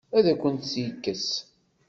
Ad akent-tt-yekkes?